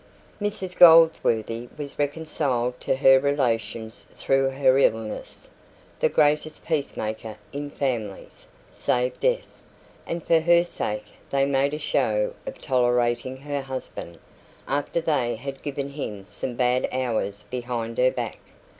Mrs Goldsworthy was reconciled to her relations through her illness the greatest peacemaker in families, save death; and for her sake they made a show of tolerating her husband, after they had given him some bad hours behind her back.